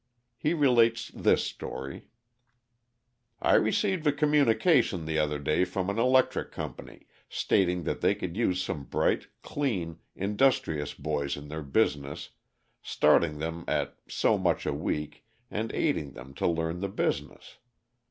He relates this story: "I received a communication the other day from an electric company stating that they could use some bright, clean, industrious boys in their business, starting them at so much a week and aiding them to learn the business.